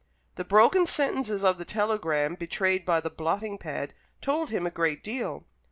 The broken sentences of the telegram betrayed by the blotting pad told him a great deal.